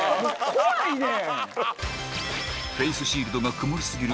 怖いねん！